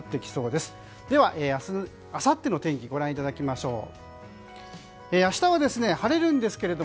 では、明日あさっての天気をご覧いただきましょう。